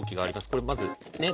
これまずね